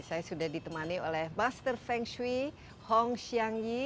saya sudah ditemani oleh master feng shui hong xiang yi